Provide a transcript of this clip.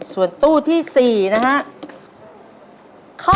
ส่วนตู้ที่๔นะครับ